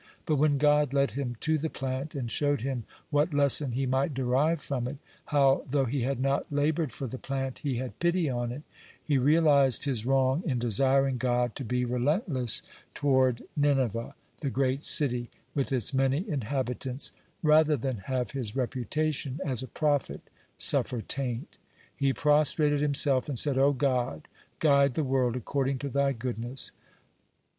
But when God led him to the plant, and showed him what lesson he might derive from it, how, though he had not labored for the plant, he had pity on it, he realized his wrong in desiring God to be relentless toward Nineveh, the great city, with its many inhabitants, rather than have his reputation as a prophet suffer taint. He prostrated himself and said: "O God, guide the world according to Thy goodness."